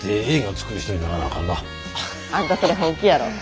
あんたそれ本気やろ。